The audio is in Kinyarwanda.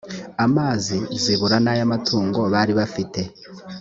amazi zibura n ay amatungo bari bafite